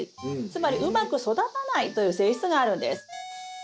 つまりうまく育たないという性質があるんです。